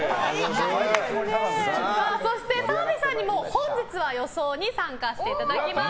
澤部さんにも本日は予想に参加していただきます。